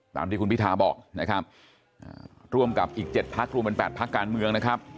ตามที่คุณพิทาบอกนะครับร่วมกับอีก๗พักรวมเป็น๘พักการเมืองนะครับ